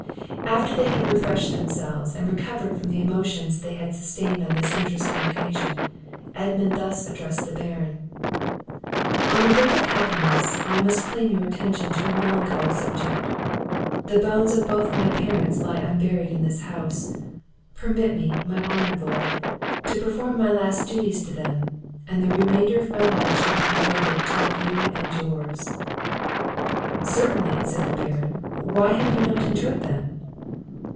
After they had refreshed themselves, and recovered from the emotions they had sustained on this interesting occasion, Edmund thus addressed the Baron: "On the brink of happiness I must claim your attention to a melancholy subject. The bones of both my parents lie unburied in this house; permit me, my honoured lord, to perform my last duties to them, and the remainder of my life shall be devoted to you and yours." "Certainly," said the Baron; "why have you not interred them?"